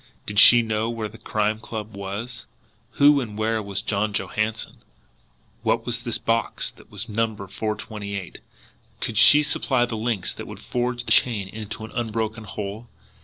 Did she know where the Crime Club was? Who and where was John Johansson? What was this box that was numbered 428? Could she supply the links that would forge the chain into an unbroken whole?